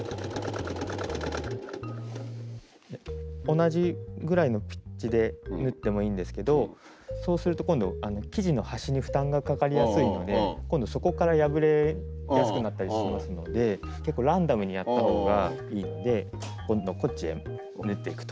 同じぐらいのピッチで縫ってもいいんですけどそうすると今度生地の端に負担がかかりやすいので今度そこから破れやすくなったりしますので結構ランダムにやった方がいいので今度はこっちへ縫っていくと。